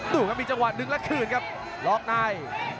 ดูมีจังหวะนึงละขืนครับล็อกนาย